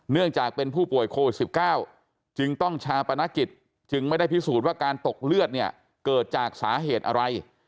เนื่องจากเป็นผู้ป่วยโควิด๑๙จึงต้องชาปนกิจจึงไม่ได้พิสูจน์ว่าการตกเลือดเนี่ยเกิดจากสาเหตุอะไร